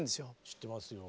知ってますよ。